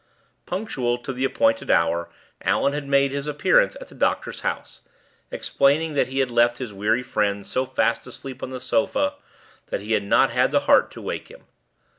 Punctual to the appointed hour Allan had made his appearance at the doctor's house, explaining that he had left his weary friend so fast asleep on the sofa that he had not had the heart to wake him.